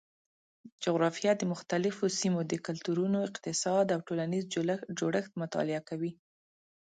جغرافیه د مختلفو سیمو د کلتورونو، اقتصاد او ټولنیز جوړښت مطالعه کوي.